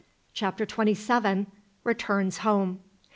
CHAPTER TWENTY SEVEN. RETURNS HOME.